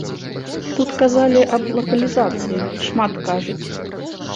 Тут казалі аб лакалізацыі, шмат кажуць.